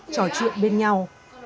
trò chuyện bên nhau